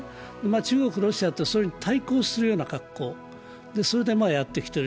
中国、ロシアと対抗するような格好でやってきている。